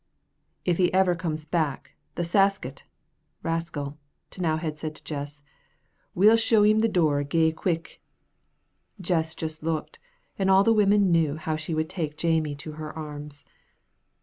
"If he ever comes back, the sacket" (rascal), T'nowhead said to Jess, "we'll show 'im the door gey quick." Jess just looked, and all the women knew how she would take Jamie to her arms.